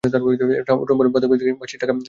Trombone বাদকের কাছ থেকে বাজির টাকা নিতে গিয়েছিলাম।